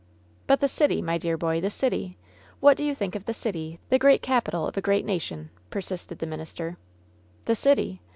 "But the city, my dear boy, the city ! What do you think of the city, the great capital of a great nation V^ persisted the minister. "The city!"